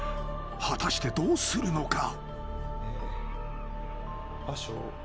［果たしてどうするのか？］